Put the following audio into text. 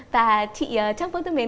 và chị trang phương thưa mến